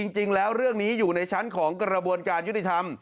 จริงแล้วเรื่องนี้อยู่ในชั้นของกระบวนการยุติธรรม